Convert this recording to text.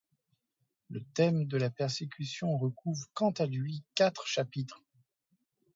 Le thème de la persécution recouvre quant à lui quatre chapitres.